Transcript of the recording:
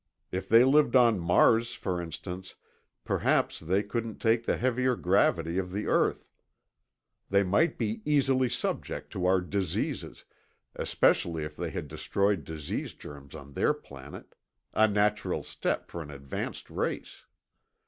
If they lived on Mars, for instance, perhaps they couldn't take the heavier gravity of the earth. They might be easily subject to our diseases, especially if they had destroyed disease germs on their planet—a natural step for an advanced race.